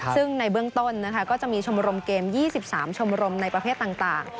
ซึ่งในเบื้องต้นก็จะมีชมรมเกม๒๓ชมรมในประเภทต่าง